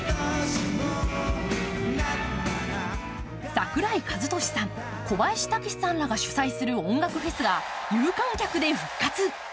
櫻井和寿さん、小林武史さんらが主催する音楽フェスが有観客で復活。